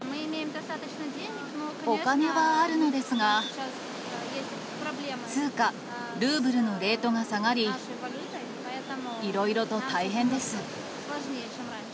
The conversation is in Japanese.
お金はあるのですが、通貨ルーブルのレートが下がり、いろいろと大変です。